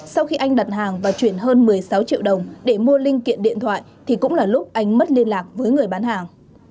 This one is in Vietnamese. sau khi anh đặt hàng và chuyển hơn một mươi sáu triệu đồng để mua linh kiện điện thoại thì cũng là lúc anh mất liên lạc với người bán hàng